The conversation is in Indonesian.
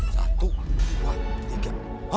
satu dua tiga